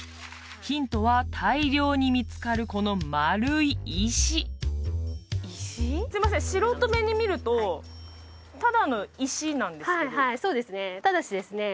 ヒントは大量に見つかるこの丸い石すいません素人目に見るとただの石なんですけどはいはいそうですねただしですね